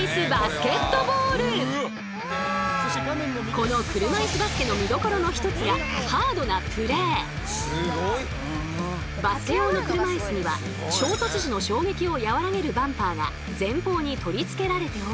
この車いすバスケの見どころの一つがバスケ用の車いすには衝突時の衝撃をやわらげるバンパーが前方に取り付けられており。